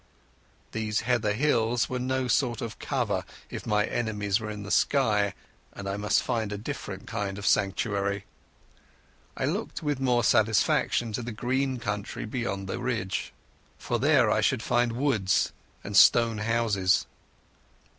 These heather hills were no sort of cover if my enemies were in the sky, and I must find a different kind of sanctuary. I looked with more satisfaction to the green country beyond the ridge, for there I should find woods and stone houses.